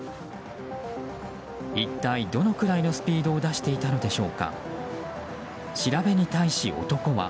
一体どれくらいのスピードを出していたのでしょうか。